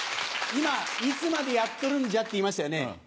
今「いつまでやっとるんじゃ」って言いましたよね？